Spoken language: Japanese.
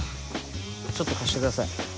ちょっと貸してください。